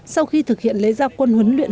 sau khi thực hiện lễ gia quân huấn luyện